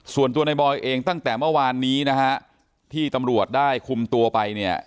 ส่วนตัวในบอยเองตั้งแต่เมื่อวานนี้นะฮะที่ตำรวจได้คุมตัวไปเนี่ย